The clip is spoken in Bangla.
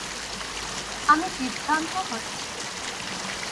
আমি বিভ্রান্ত হয়েছি।